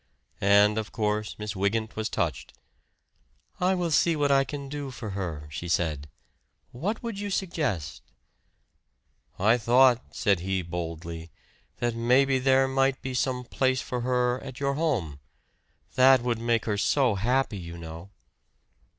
And, of course, Miss Wygant was touched. "I will see what I can do for her," she said. "What would you suggest?" "I thought," said he boldly, "that maybe there might be some place for her at your home. That would make her so happy, you know."